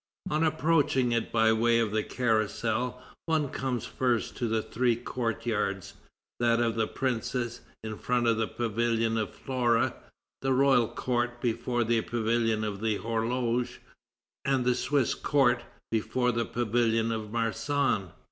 On approaching it by way of the Carrousel, one comes first to three courtyards: that of the Princes, in front of the Pavilion of Flora; the Royal Court, before the Pavilion of the Horloge; and the Swiss Court, before the Pavilion of Marsan.